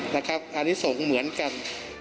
นะครับอันนี้สงฆ์เหมือนกัน